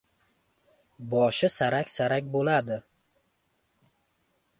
Boshi sarak-sarak bo‘ldi.